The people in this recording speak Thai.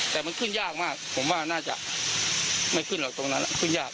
แต่มันขึ้นยากมากผมว่าน่าจะไม่ขึ้นหรอกตรงนั้นขึ้นยาก